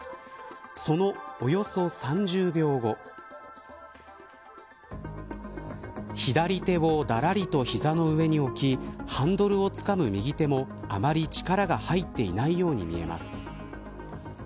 そのおよそ３０秒後左手をだらりと膝の上に置きハンドルをつかむ右手もあまり力が入っていないように見えます。